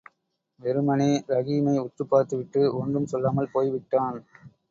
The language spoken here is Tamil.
வெறுமனே ரஹீமை உற்றுப்பார்த்துவிட்டு ஒன்றும் சொல்லாமல் போய்விட்டான்.